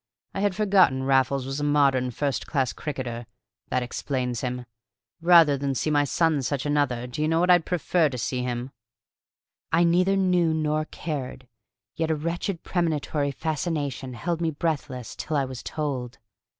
I had forgotten Raffles was a modern first class cricketer: that explains him. Rather than see my son such another, do you know what I'd prefer to see him?" I neither knew nor cared: yet a wretched premonitory fascination held me breathless till I was told.